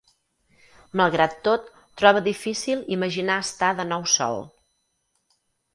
Malgrat tot, troba difícil imaginar estar de nou sol.